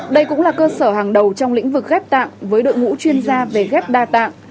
đây cũng là cơ sở hàng đầu trong lĩnh vực ghép tạng với đội ngũ chuyên gia về ghép đa tạng